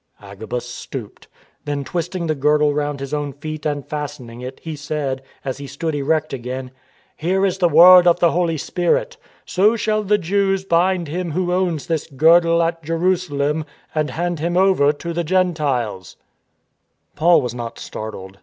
Agabus stooped. Then twisting the girdle round his own feet and fastening it, he said, as he stood erect again: " Here is the word of the Holy Spirit :* So shall the Jews bind him who owns this girdle at Jerusalem, and hand him over to the Gentiles.' " 286 STORM AND STRESS Paul was not startled.